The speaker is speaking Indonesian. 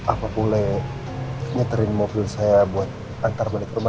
apa boleh nyeterin mobil saya buat antar balik ke rumah